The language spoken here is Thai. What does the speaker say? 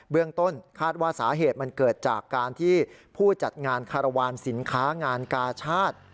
เรื่องต้นคาดว่าสาเหตุมันเกิดจากการที่ผู้จัดงานคารวาลสินค้างานกาชาติ